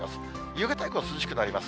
夕方以降、涼しくなります。